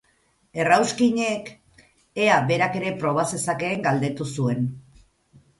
Errauskinek ea berak ere proba zezakeen galdetu zuen.